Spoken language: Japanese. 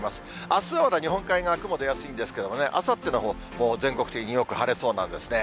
あすはまだ、日本海側、雲が出やすいんですけれども、あさってのほう、全国的によく晴れそうなんですね。